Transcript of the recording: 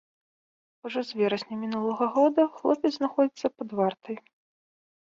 Ужо з верасня мінулага года хлопец знаходзіцца пад вартай.